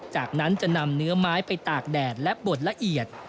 จากนั้นจะนำเนื้อไม้ไปตากแดดและบดละเอียด